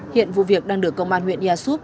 hiện vụ việc đang được công an huyện ia súp